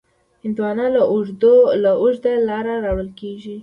هندوانه له اوږده لاره راوړل کېږي.